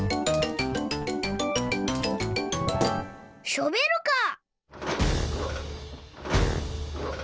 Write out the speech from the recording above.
ショベルカー。